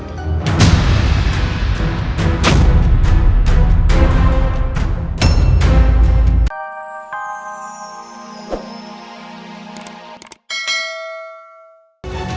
kau akan mati